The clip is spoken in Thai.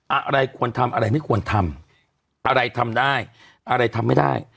อะไรควรทำอะไรไม่ควรทำอะไรทำได้อะไรทำไม่ได้